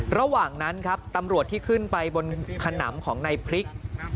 ระหว่างนั้นครับตำรวจที่ขึ้นไปบนขนำของในพริก